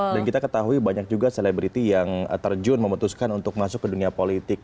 kita ketahui banyak juga selebriti yang terjun memutuskan untuk masuk ke dunia politik